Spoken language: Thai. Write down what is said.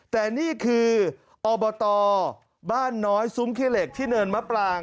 แต่นี่คืออบตบ้านน้อยซุ้มขี้เหล็กที่เนินมะปราง